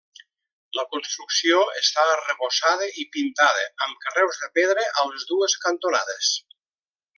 La construcció està arrebossada i pintada, amb carreus de pedra a les dues cantonades.